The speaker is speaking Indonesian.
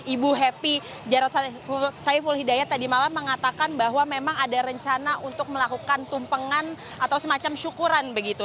ibu happy jarod saiful hidayat tadi malam mengatakan bahwa memang ada rencana untuk melakukan tumpengan atau semacam syukuran begitu